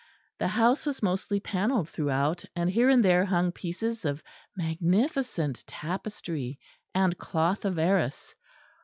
The house was mostly panelled throughout, and here and there hung pieces of magnificent tapestry and cloth of arras.